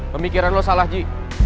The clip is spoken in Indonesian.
pemikiran lo salah ji